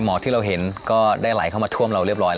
ก็เป็นบริเวณของประเทศเพื่อนบ้านอิตองจากด้านหลังผมเนี่ยนะครับ